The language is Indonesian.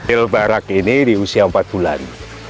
ilbarak ini di usia empat bulan